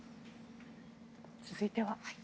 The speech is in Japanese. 続いては。